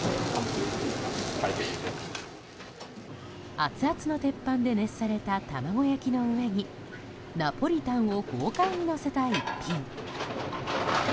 アツアツの鉄板で熱された卵焼きの上にナポリタンを豪快にのせた一品。